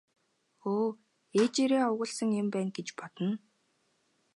Өө ээжээрээ овоглосон юм байна гэж бодно.